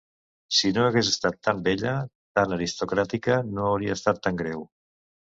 Si no hagués estat tan bella, tan aristocràtica, no hauria estat tan greu.